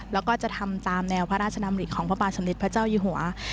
แล้วก็จะทำตามแนวพระราชดำริของพระบาทสมเด็จพระเจ้าอยู่หัว